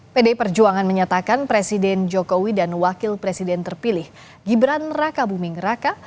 pdi perjuangan menyatakan presiden jokowi dan wakil presiden terpilih gibran raka buming raka